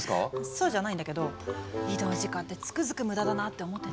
そうじゃないんだけど移動時間ってつくづく無駄だなって思ってて。